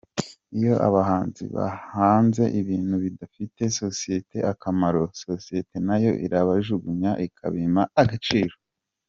Iyo abahanzi bahanze ibintu bidafitiye sosiyete akamaro, sosiyete nayo irabajugunya ikabima agaciro.